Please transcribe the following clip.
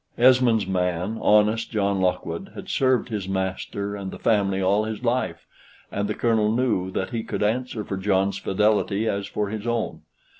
Esmond's man, honest John Lockwood, had served his master and the family all his life, and the Colonel knew that he could answer for John's fidelity as for his own.